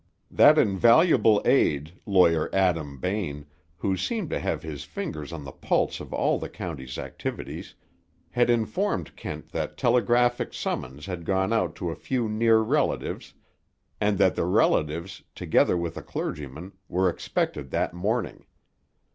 That invaluable aid, Lawyer Adam Bain, who seemed to have his fingers on the pulse of all the county's activities, had informed Kent that telegraphic summons had gone out to a few near relatives, and that the relatives, together with a clergyman, were expected that morning.